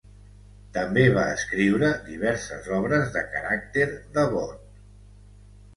També va escriure diverses obres de caràcter devot.